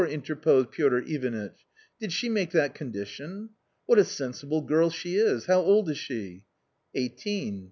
" interposed Piotr Ivanitch ; "did she make that condition? What a sensible girl she is. How old is she ? n u Eighteen."